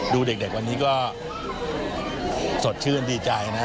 ดูเด็กวันนี้ก็สดชื่นดีใจนะ